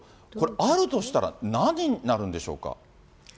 これ、あるとしたら、何になるんでしょうか。